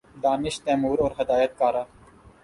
دانش تیمور اور ہدایت کارہ